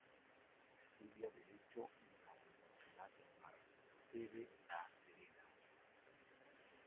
Estudia Derecho en la Universidad del Mar, sede La Serena.